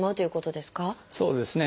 そうですね。